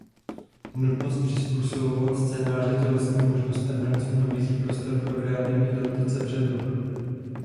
Nutnost přizpůsobovat scénáře tělesným možnostem herců nabízí prostor pro kreativní adaptace předloh.